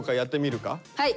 はい！